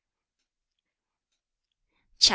CHAP.